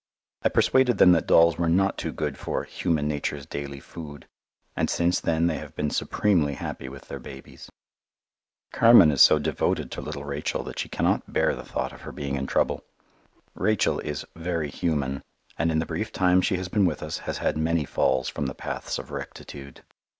I persuaded them that dolls were not too good for "human nature's daily food," and since then they have been supremely happy with their babies. Carmen is so devoted to little Rachel that she cannot bear the thought of her being in trouble. Rachel is very human, and in the brief time she has been with us has had many falls from the paths of rectitude.